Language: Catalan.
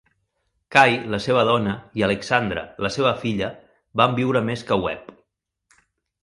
Kay, la seva dona, i Alexandra, la seva filla, van viure més que Webb.